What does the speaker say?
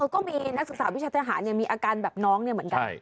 เออก็มีนักศึกษาวิชาทหารเนี่ยมีอาการแบบน้องเนี่ยเหมือนกันใช่